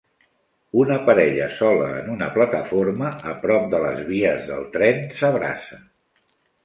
Una parella sola en una plataforma a prop de les vies del tren s'abraça.